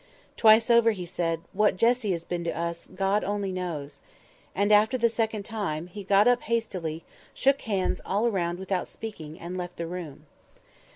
Twice over he said, "What Jessie has been to us, God only knows!" and after the second time, he got up hastily, shook hands all round without speaking, and left the room.